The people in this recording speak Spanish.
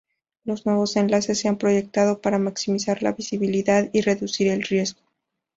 Los nuevos enlaces se han proyectado para maximizar la visibilidad y reducir el riesgo.